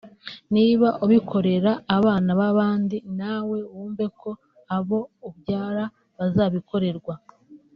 niba ubikorera abana b’ababandi na we wumve ko abo ubyara bazabikorerwa